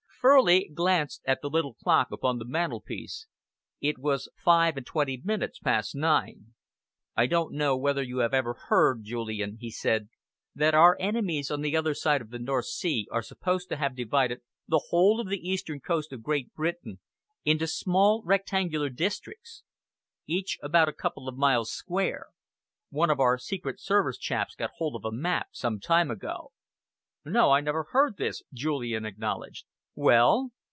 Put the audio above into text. Furley glanced at the little clock upon the mantelpiece. It was five and twenty minutes past nine. "I don't know whether you have ever heard, Julian," he said, "that our enemies on the other side of the North Sea are supposed to have divided the whole of the eastern coast of Great Britain into small, rectangular districts, each about a couple of miles square. One of our secret service chaps got hold of a map some time ago." "No, I never heard this," Julian acknowledged. "Well?"